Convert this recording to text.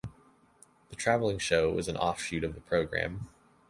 The travelling show was an offshoot of the program.